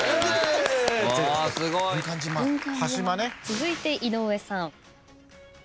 続いて井上さん。